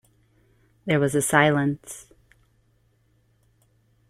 There was a silence.